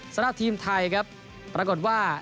สำหรับทีมไทยครับปรากฏว่า